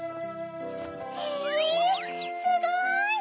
へぇすごい！